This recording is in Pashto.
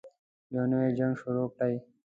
يو نـوی جـنګ شروع كړئ.